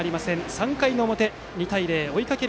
３回の表、２対０と追いかける